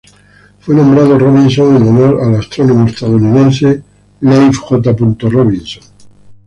Fue nombrado Robinson en honor al astrónomo estadounidense Leif J. Robinson.